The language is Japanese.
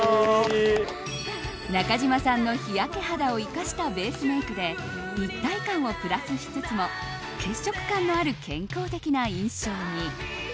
中島さんの日焼け肌を生かしたベースメイクで立体感をプラスしつつも血色感のある健康的な印象に。